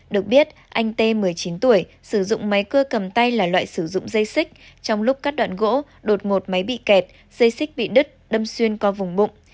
được biết anh t một mươi chín tuổi sử dụng máy cưa cầm tay là loại sử dụng dây xích trong lúc cắt đoạn gỗ đột ngột máy bị kẹt dây xích bị đứt đâm xuyên qua vùng bụng